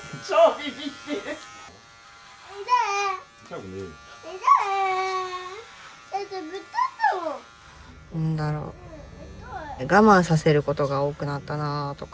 何だろう我慢させることが多くなったなとか。